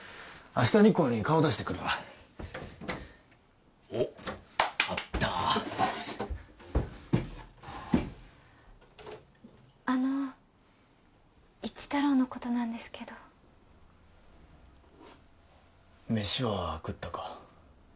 日光に顔出してくるわおッあったあの一太郎のことなんですけど飯は食ったか？